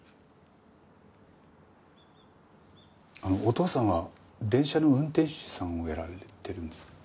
あのお父さんは電車の運転士さんをやられてるんですか？